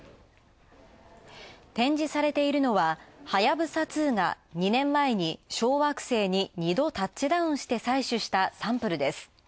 展示されているのは「はやぶさ２」が２年前に小惑星に２度タッチダウンして採取したサンプルです。